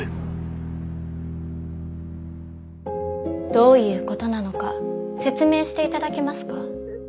どういうことなのか説明して頂けますか？